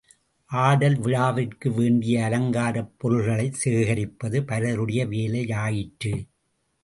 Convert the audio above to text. ஆடல் விழாவிற்கு வேண்டிய அலங்காரப் பொருள்களைச் சேகரிப்பது பலருடைய வேலை யாயிற்று.